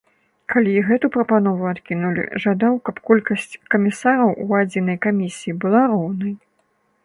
Калі і гэту прапанову адкінулі, жадаў, каб колькасць камісараў у адзінай камісіі была роўнай.